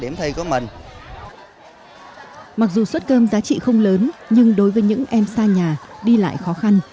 mặc dù suất cơm giá trị không lớn nhưng đối với những em xa nhà đi lại khó khăn